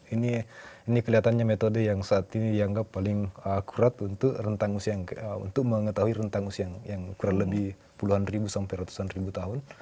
ini kelihatannya metode yang saat ini dianggap paling akurat untuk mengetahui rentang usia yang kurang lebih puluhan ribu sampai ratusan ribu tahun